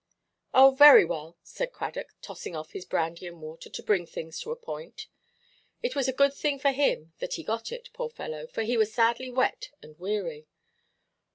"Oh, very well," said Cradock, tossing off his brandy–and–water to bring things to a point. It was a good thing for him that he got it, poor fellow, for he was sadly wet and weary.